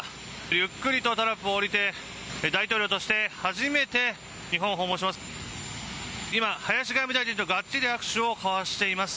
ゆっくりとタラップを降りて大統領として初めて日本を訪問します。